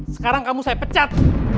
sekarang kamu saya pecat